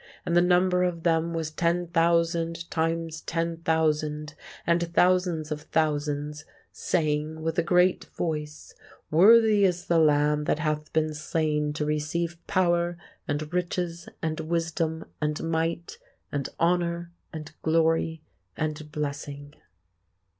and the number of them was ten thousand times ten thousand, and thousands of thousands; saying, with a great voice, Worthy is the Lamb that hath been slain to receive power, and riches, and wisdom, and might, and honour, and glory, and blessing."